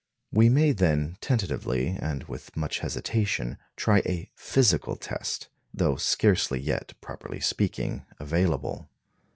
We may, then, tentatively, and with much hesitation, try a physical test, though scarcely yet, properly speaking, available.